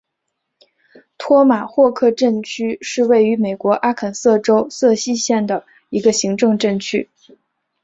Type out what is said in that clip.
托马霍克镇区是位于美国阿肯色州瑟西县的一个行政镇区。